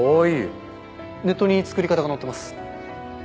ネットに作り方が載ってます。